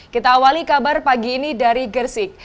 kita awali kabar pagi ini dari gersik